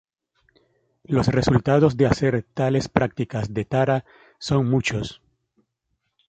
Los resultados de hacer tales prácticas de Tara son muchos.